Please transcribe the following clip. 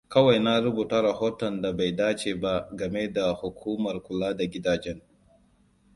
Kawai na rubuta rahoton da bai dace ba game da hukumar kula da gidajen.